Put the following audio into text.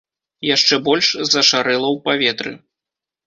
Яшчэ больш зашарэла ў паветры.